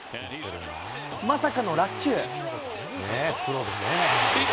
まさかの落球。